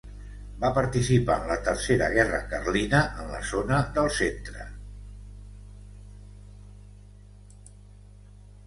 Va participar en la Tercera Guerra Carlina en la zona del centre.